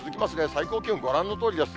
最高気温、ご覧のとおりです。